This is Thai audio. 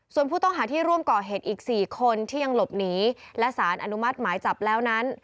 ส่วนผู้ต้องหาที่ร่วมก่อเหตุอีก๔คนที่ยังหลบหนีและสารอนุมัติหมายจับแล้วนั้น